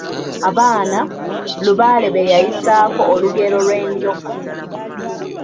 Abaana, Lubaale b'e yayisaako olugero lw'enjoka.